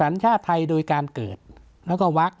แล้วก็วัก